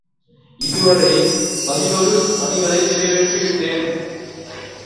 இதுவரை பதினொரு பணிகளை நிறைவேற்றிவிட்டேன்.